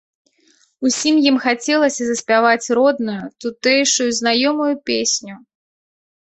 Усім ім хацелася заспяваць родную, тутэйшую знаёмую песню.